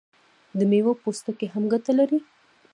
د میوو پوستکي هم ګټه لري.